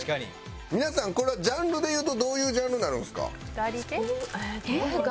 皆さんこれはジャンルで言うとどういうジャンルになるんですか？